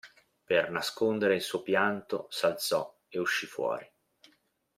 Per nascondere il suo pianto s'alzò ed uscì fuori.